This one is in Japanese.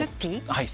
はい。